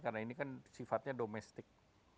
karena ini kan sifatnya domestik